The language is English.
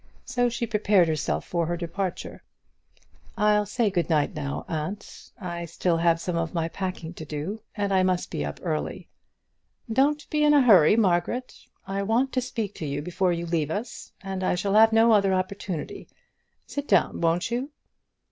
So she prepared herself for her departure. "I'll say good night now, aunt. I have still some of my packing to do, and I must be up early." "Don't be in a hurry, Margaret. I want to speak to you before you leave us, and I shall have no other opportunity. Sit down, won't you?"